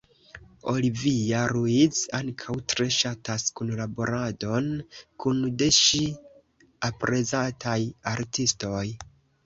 Olivia Ruiz ankaŭ tre ŝatas kunlaboradon kun de ŝi aprezataj artistoj.